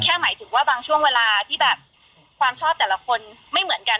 หมายถึงว่าบางช่วงเวลาที่แบบความชอบแต่ละคนไม่เหมือนกัน